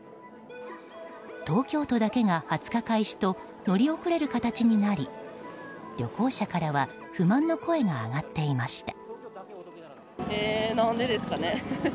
東京都だけが２０日開始と乗り遅れる形になり旅行者からは不満の声が上がっていました。